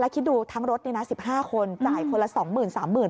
แล้วคิดดูทั้งรถ๑๕คนจ่ายคนละ๒๐๐๐๐๓๐๐๐๐บาท